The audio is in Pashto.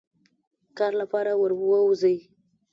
کار لپاره وروزی.